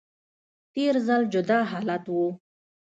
تیر ځل جدا حالت و